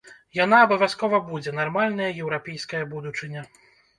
Яна абавязкова будзе, нармальная еўрапейская будучыня.